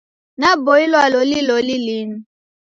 Naboilwa loli loli linu.